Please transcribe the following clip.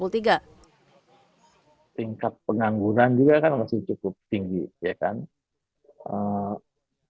tingkat pengangguran juga kan masih cukup tinggi